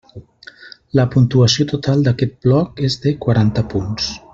La puntuació total d'aquest bloc és de quaranta punts.